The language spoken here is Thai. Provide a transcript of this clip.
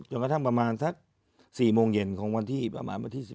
กระทั่งประมาณสัก๔โมงเย็นของวันที่ประมาณวันที่๑